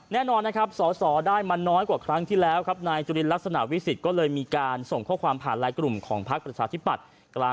เพราะว่าการเมืองก็เป็นอย่างนี้นะครับ